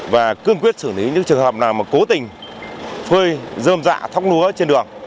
và cương quyết xử lý những trường hợp nào mà cố tình phơi dơm dạ thóc lúa trên đường